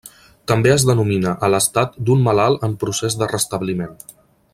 També es denomina a l'estat d'un malalt en procés de restabliment.